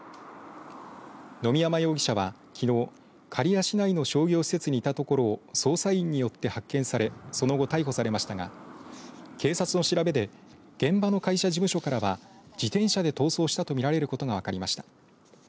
野見山容疑者は、きのう刈谷市内の商業施設にいたところを捜査員によって発見されその後、逮捕されましたが警察の調べで現場の会社事務所からは自転車で逃走したとみられることが分かりました。